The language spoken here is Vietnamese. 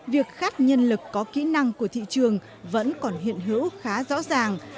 việc khát nhân lực có kỹ năng của thị trường vẫn còn hiện hữu khá rõ ràng